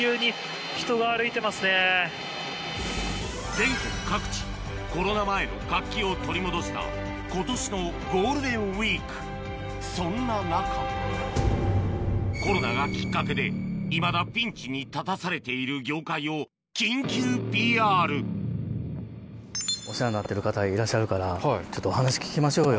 全国各地コロナ前の活気を取り戻した今年のゴールデンウィークそんな中コロナがきっかけでお世話になってる方がいらっしゃるからちょっとお話聞きましょうよ。